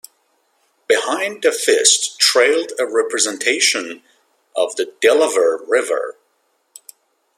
Behind the fist trailed a representation of the Delaware River.